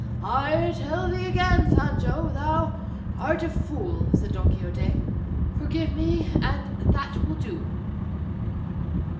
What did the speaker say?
"I tell thee again, Sancho, thou art a fool," said Don Quixote; "forgive me, and that will do."